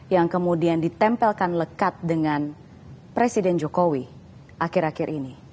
yang kemudian ditempelkan lekat dengan presiden jokowi akhir akhir ini